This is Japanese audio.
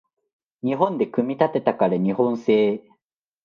日本で組み立てたから日本製